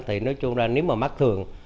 thì nói chung là nếu mà mắt thường